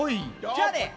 じゃあね